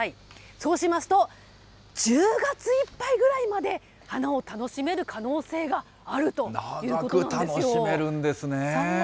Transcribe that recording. そうしますと、１０月いっぱいぐらいまで花を楽しめる可能性があるということな長く楽しめるんですね。